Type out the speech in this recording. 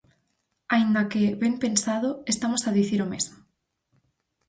Aínda que, ben pensado, estamos a dicir o mesmo.